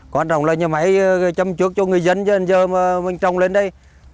quan trọng là nhà máy chăm chước cho người dân cho đến giờ mà mình trồng lên đây